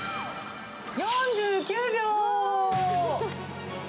４９秒。